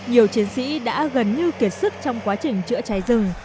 nhiều chiến sĩ đã gần như kiệt sức trong quá trình chữa cháy rừng